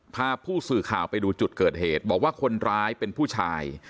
พาผู้สื่อข่าวไปดูจุดเกิดเหตุบอกว่าคนร้ายเป็นผู้ชาย